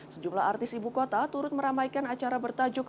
sejumlah artis ibu kota turut meramaikan acara bertajuk